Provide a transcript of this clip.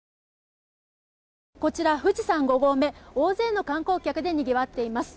こちら、富士山５合目大勢の観光客でにぎわっています。